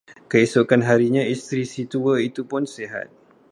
Keesokan harinya isteri si tua itupun sihat.